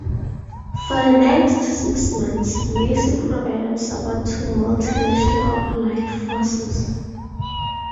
For the next six months, "Mercy" provided support to multinational allied forces.